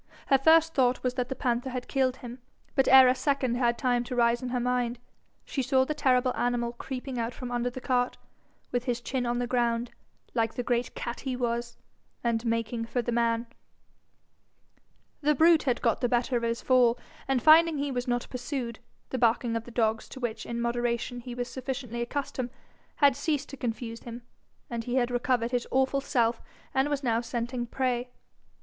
Her first thought was that the panther had killed him, but ere a second had time to rise in her mind, she saw the terrible animal creeping out from under the cart, with his chin on the ground, like the great cat he was, and making for the man. The brute had got the better of his fall, and finding he was not pursued, the barking of the dogs, to which in moderation he was sufficiently accustomed, had ceased to confuse him, he had recovered his awful self, and was now scenting prey.